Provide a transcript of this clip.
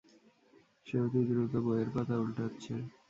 সে অতি দ্রুত বইয়ের পাতা উল্টাচ্ছে।